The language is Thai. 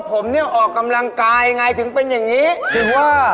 ก็ไม่ได้เอากำลังกายเยอะนะ